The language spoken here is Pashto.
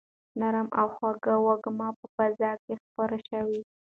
نرم او خوږ وږم په فضا کې خپور شو.